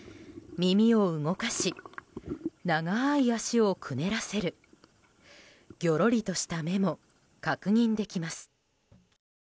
耳を動かし長い足をくねらせるぎょろりとした目も確認できます。